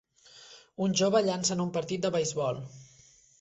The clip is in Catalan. Un jove llança en un partit de beisbol